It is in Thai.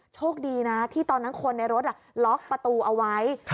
โชคดีนะที่ตอนนั้นคนในรถล็อกประตูเอาไว้